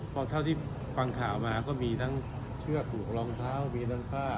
คราวเท่าที่ฟังข่าวมาก็มีชื่อหุกรองเท้ามีทั้ง